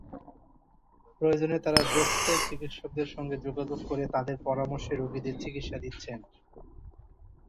প্রয়োজনে তাঁরা জ্যেষ্ঠ চিকিত্সকদের সঙ্গে যোগাযোগ করে তাঁদের পরামর্শে রোগীদের চিকিত্সা দিচ্ছেন।